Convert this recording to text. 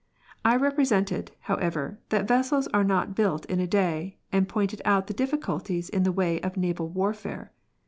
I represented, however, that vessels are not built in a day, and pointed out the difficulties in the way of naval warfare.